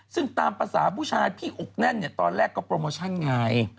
ซึ่งตามภาษาผู้ชายพี่อกแน่นเนี่ยตอนแรกก็โปรโมชั่นไง